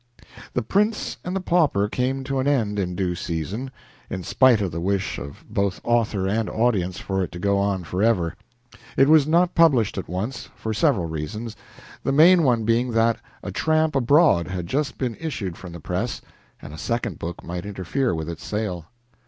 "The Prince and the Pauper" came to an end in due season, in spite of the wish of both author and audience for it to go on forever. It was not published at once, for several reasons, the main one being that "A Tramp Abroad" had just been issued from the press, and a second book might interfere with its sale.